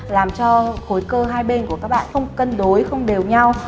làm cho khối cơ hai bên của các bạn không cân đối không đều nhau